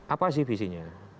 apa sih visinya